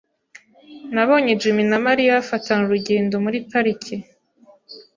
Nabonye Jim na Mariya bafatana urugendo muri parike.